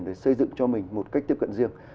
để xây dựng cho mình một cách tiếp cận riêng